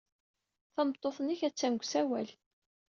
Tameṭṭut-nnek attan deg usawal.